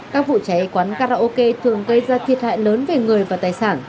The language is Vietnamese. các vụ cháy quán karaoke thường gây ra thiệt hại lớn về người và tài sản